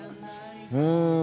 うん。